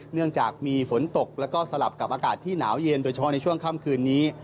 เนื่องจากมีฝนตกแล้วก็สลับกับอากาศที่หนาวเย็นโดยเฉพาะในช่วงค่ำคืนนี้